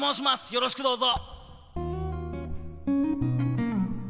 よろしくどうぞ。